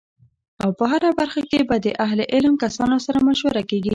او په هره برخه کی به د اهل علم کسانو سره مشوره کیږی